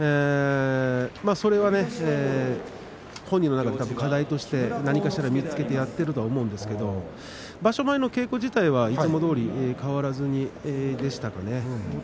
それは本人の中で課題として何かしら見つけてやっていると思うんですけど場所前の稽古自体はいつもどおり変わらずにでしたね。